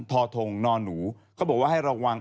ททงนหนูก็บอกว่าให้ระวัง